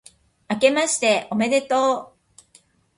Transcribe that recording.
あけましておめでとう